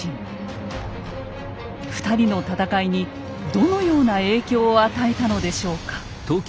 ２人の戦いにどのような影響を与えたのでしょうか。